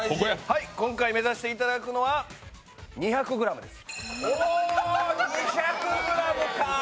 今回目指していただくのは２００ｇです。